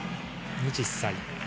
２０歳。